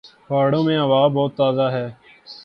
پہاڑوں میں ہوا بہت تازہ ہے۔